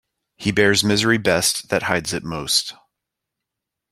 He bears misery best that hides it most.